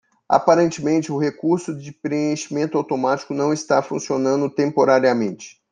Aparentemente, o recurso de preenchimento automático não está funcionando temporariamente.